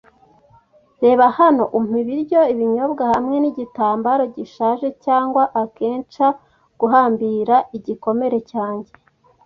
reba hano, umpa ibiryo n'ibinyobwa hamwe nigitambara gishaje cyangwa ankecher guhambira igikomere cyanjye